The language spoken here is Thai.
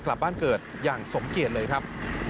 กลับบ้านเกิดอย่างสมเกียจเลยครับ